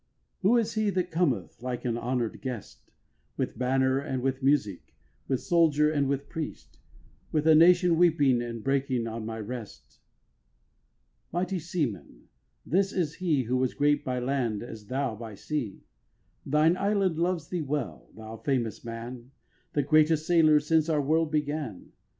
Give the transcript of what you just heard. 6. Who is he that cometh, like an honour'd guest, With banner and with music, with soldier and with priest, With a nation weeping, and breaking on my rest? Mighty seaman, this is he Was great by land as thou by sea. Thine island loves thee well, thou famous man, The greatest sailor since our world began.